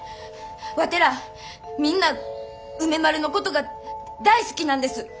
ワテらみんな梅丸のことが大好きなんです。